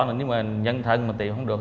nếu mà nhân thân mà tìm không được